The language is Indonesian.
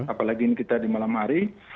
apalagi kita di malam hari